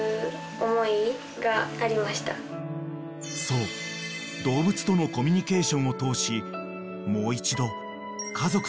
［そう動物とのコミュニケーションを通しもう一度］